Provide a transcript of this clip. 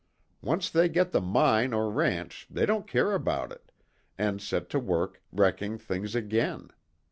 Once they get the mine or ranch they don't care about it, and set to work wrecking things again.